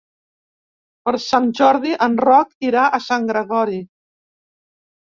Per Sant Jordi en Roc irà a Sant Gregori.